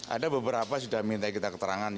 ada beberapa sudah minta kita keterangan